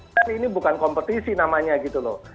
kan ini bukan kompetisi namanya gitu loh